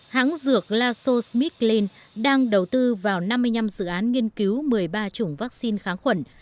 hãng dược laso smitland đang đầu tư vào năm mươi năm dự án nghiên cứu một mươi ba chủng vaccine kháng khuẩn